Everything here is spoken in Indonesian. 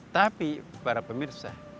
tapi para pemirsa